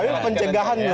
lebih untuk pencegahan